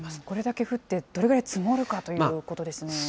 これだけ降って、どれだけ積もるかということですね。